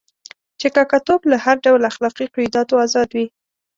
چې کاکه توب له هر ډول اخلاقي قیوداتو آزادوي.